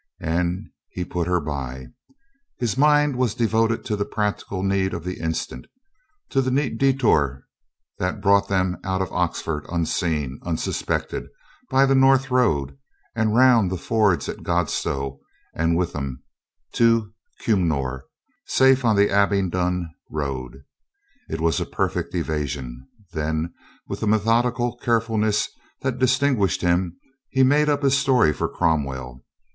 And he put her by. His mind was devoted to the prac tical need of the instant, to the neat detour that brought them out of Oxford unseen, unsuspected, by the north road and round the fords at Godstow and Witham to Cumnor, safe on the Abingdon road. It was a perfect evasion. Then, with the methodical carefulness that distinguished him, he made up his story for Cromwell.